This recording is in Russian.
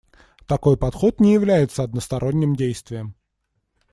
Такой подход не является односторонним действием.